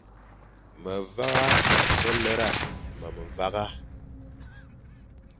Me vagha ke lera memvegha,